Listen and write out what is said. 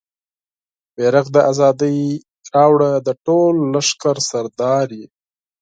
بیرغ د ازادۍ راوړه د ټول لښکر سردارې